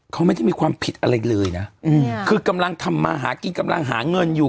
เขาไม่ได้มีความผิดอะไรเลยนะคือกำลังทำมาหากินกำลังหาเงินอยู่